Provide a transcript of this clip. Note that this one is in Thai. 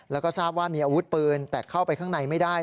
แล้วก็ทราบว่ามีอาวุธปืนแต่เข้าไปข้างในไม่ได้